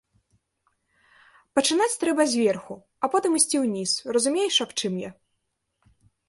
Пачынаць трэба зверху, а потым ісці ўніз, разумееш, аб чым я?